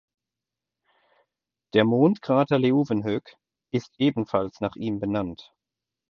Der Mondkrater Leeuwenhoek ist ebenfalls nach ihm benannt.